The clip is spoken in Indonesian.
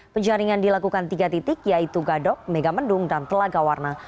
penjaringan dilakukan tiga titik yaitu gadok megamendung dan telaga warna